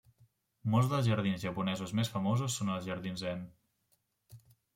Molts dels jardins japonesos més famosos són els jardins zen.